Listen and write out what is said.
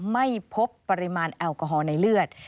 ไม่พบปริมาณแอลกอฮอล์ในเลือด